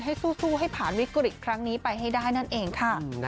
สู้ให้ผ่านวิกฤตครั้งนี้ไปให้ได้นั่นเองค่ะ